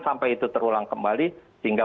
sampai itu terulang kembali sehingga